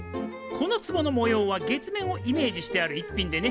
このつぼの模様は月面をイメージしてあるいっぴんでね。